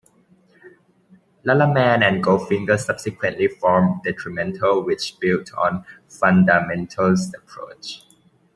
Lallaman and Goldfinger subsequently formed Detrimental which built on Fun-Da-Mental's approach.